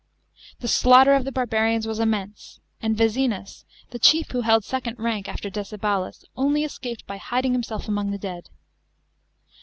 J The slaughter of the barbarians was immense, and Vezinas, the chief who held second rank alter Decebalus, only escaped by hiding himself among the dead.